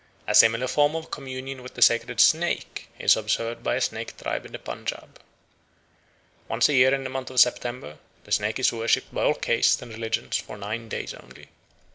A similar form of communion with the sacred snake is observed by a Snake tribe in the Punjaub. Once a year in the month of September the snake is worshipped by all castes and religions for nine days only.